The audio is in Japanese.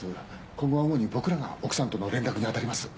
今後は主に僕らが奥さんとの連絡にあたります。